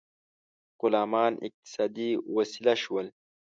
غلامان اقتصادي وسیله شول.